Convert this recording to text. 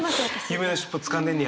夢のしっぽつかんでんねや。